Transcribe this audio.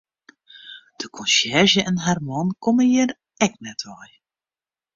De konsjerzje en har man komme hjir ek net wei.